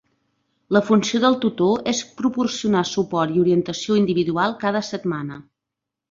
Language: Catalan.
La funció del tutor és proporcionar suport i orientació individual cada setmana.